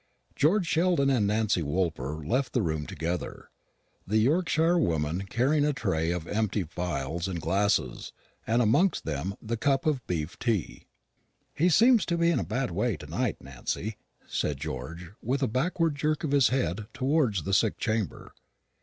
George Sheldon and Nancy Woolper left the room together, the Yorkshirewoman carrying a tray of empty phials and glasses, and amongst them the cup of beef tea. "He seems in a bad way to night, Nancy," said George, with a backward jerk of his head towards the sick chamber.